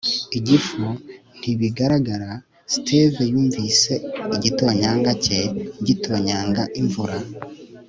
igifu - ntibigaragara. steve yumvise igitonyanga cye gitonyanga imvura